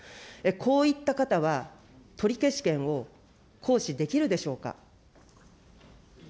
こういった方は、取消権を行使できるでしょうか。